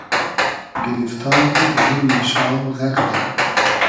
گیریفتاری , دۂ زولمی شاو غئرقی